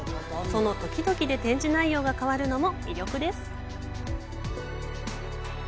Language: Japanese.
その時々で展示内容が変わるのも魅力です。